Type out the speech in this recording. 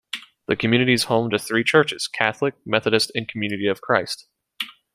The community is home to three churches: Catholic, Methodist and Community of Christ.